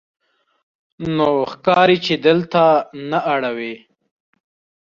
نو ښکاري چې دلته نه اړوې.